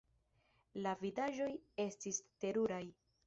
La vidaĵoj estis teruraj.